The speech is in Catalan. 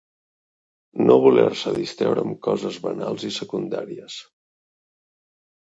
No voler-se distreure amb coses banals i secundàries.